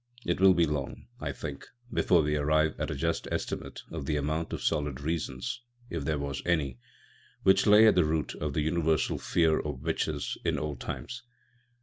It will be long, I think, before we arrive at a just estimate of the amount of solid reason â€" if there was any â€" which lay at the root of the universal fear of witches in old times.